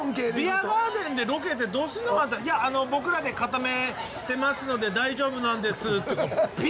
ビアガーデンでロケでどうすんのかって言ったら「いや僕らで固めてますので大丈夫なんです」って。